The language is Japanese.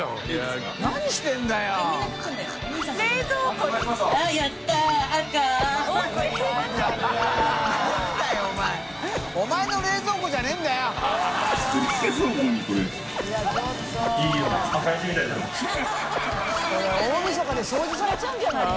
これ大みそかで掃除されちゃうんじゃないの？